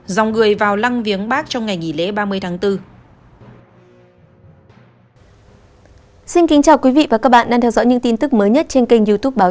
rong người vào lăng viếng bác trong ngày nghỉ lễ ba mươi tháng bốn